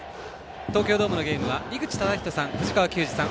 東京ドームのゲームは井口資仁さん、藤川球児さん